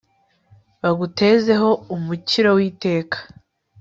bagutezeho umukiro w'iteka